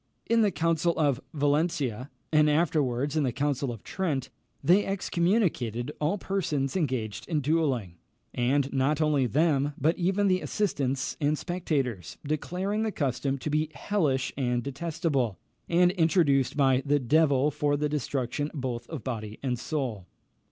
In the Council of Valentia, and afterwards in the Council of Trent, they excommunicated all persons engaged in duelling; and not only them, but even the assistants and spectators, declaring the custom to be hellish and detestable, and introduced by the devil for the destruction both of body and soul.